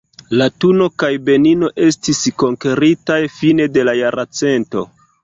Latuno kaj Benino estis konkeritaj fine de la jarcento.